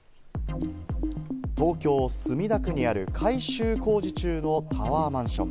東京・墨田区にある改修工事中のタワーマンション。